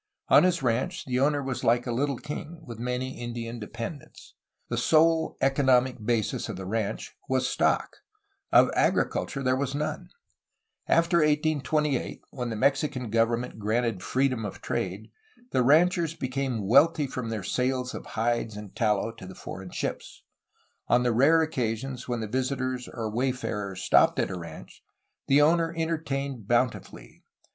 On his ranch the owner was like a little king, with many Indian dependents. The sole economic basis of the ranch was stock; of agriculture there was none. After 1828, when the Mexican government granted freedom of trade, the ranchers became wealthy from their sales of hides and tallow to the foreign ships. On the rare occasions when visitors or wayfarers stopped at a ranch, the owner entertained bountifully.